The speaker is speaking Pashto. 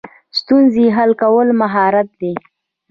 ستونزې حل کول مهارت دی